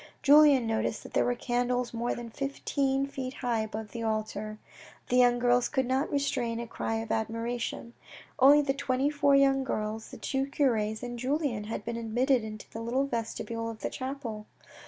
Julien noticed that there were candles more than fifteen feet high upon the altar. The young girls could not restrain a cry of admiration. Only the twenty four young girls, the two cures and Julien had been admitted into the little vestibule of the chapel.